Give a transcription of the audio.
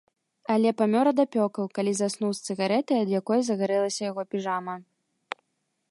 Але памёр ад апёкаў, калі заснуў з цыгарэтай, ад якой загарэлася яго піжама.